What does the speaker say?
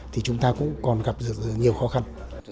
thì chúng ta cũng còn gặp nhiều khó khăn